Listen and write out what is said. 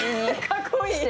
かっこいい。